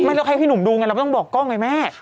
ไม่แล้วให้พี่หนุ่มดูไงเราไม่ต้องบอกกล้องเลยแม่